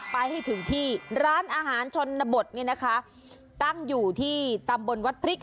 ไปให้ถึงที่ร้านอาหารชนบทเนี่ยนะคะตั้งอยู่ที่ตำบลวัดพริก